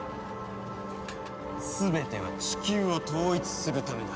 全てはチキューを統一するためだ。